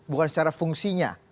bukan secara fungsinya